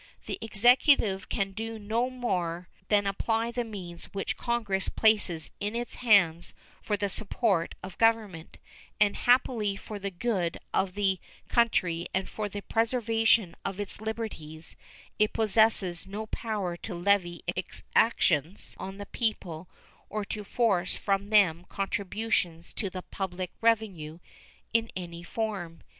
The Executive can do no more than apply the means which Congress places in its hands for the support of Government, and, happily for the good of the country and for the preservation of its liberties, it possesses no power to levy exactions on the people or to force from them contributions to the public revenue in any form.